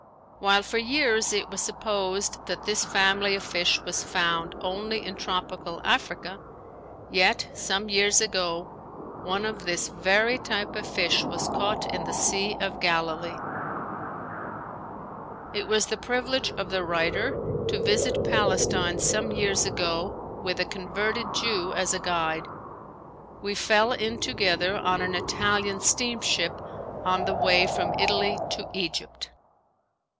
While for years it was supposed that this family of fish was found only in tropical Africa, yet some years ago one of this very type of fish was caught in the sea of Galilee. It was the privilege of the writer to visit Palestine some years ago with a converted Jew as a guide. We fell in together on an Italian steamship on the way from Italy to Egypt.